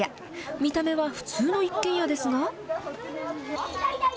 見た目は普通の一軒家ですが。